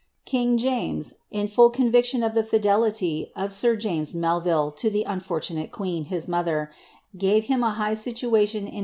King James, in the full conviction of the lidcUiy of sir James .MeUiiif to the unfortunate queen, his mother, gave him a high situation in l.